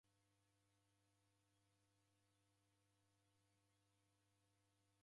Rughuonyi madirisha mwengere ghungie.